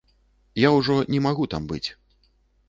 Я ўжо не магу там быць.